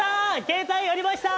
携帯ありました。